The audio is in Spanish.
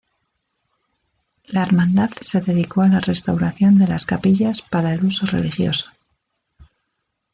La Hermandad se dedicó a la restauración de las capillas para el uso religioso.